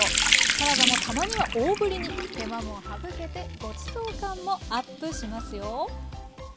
サラダもたまには大ぶりに手間も省けてごちそう感もＵＰしますよ。